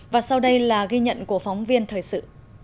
và sau đây là ghi nhận của phóng viên thời sự